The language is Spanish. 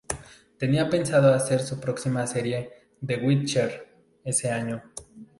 Tenía pensado hacer su próxima serie "The Witcher" ese año.